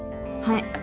はい。